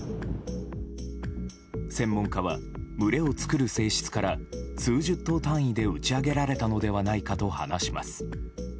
専門家は、群れを作る性質から数十頭単位で打ち上げられたのではないかと話します。